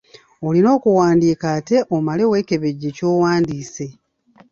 Olina okuwandiika ate omale weekebejje ky'owandiise.